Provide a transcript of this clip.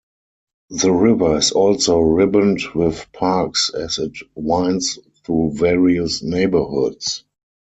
The river is also ribboned with parks as it winds through various neighborhoods.